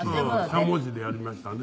「しゃもじでやりましたね」